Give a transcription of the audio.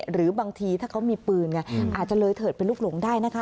หรือบางทีถ้าเขามีปืนไงอาจจะเลยเถิดเป็นลูกหลงได้นะคะ